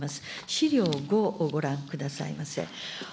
資料５をご覧くださいませ。